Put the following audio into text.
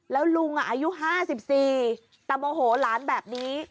แล้วลุงอายุ๕๔แต่โมโหหลานแบบนี้